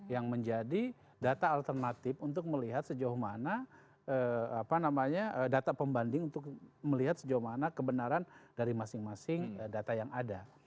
yang menjadi data alternatif untuk melihat sejauh mana data pembanding untuk melihat sejauh mana kebenaran dari masing masing data yang ada